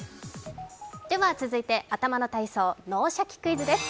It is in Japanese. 続いて頭の体操「脳シャキ！クイズ」です。